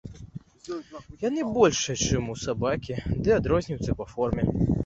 Яны большыя, чым у сабакі, ды адрозніваюцца па форме.